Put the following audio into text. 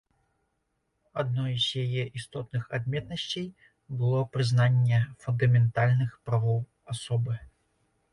Адной з яе істотных адметнасцей было прызнанне фундаментальных правоў асобы.